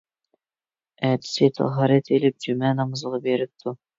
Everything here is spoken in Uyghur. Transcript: ئەتىسى تاھارەت ئېلىپ جۈمە نامىزىغا بېرىپتۇ.